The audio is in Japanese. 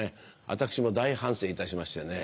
私も大反省いたしましてね。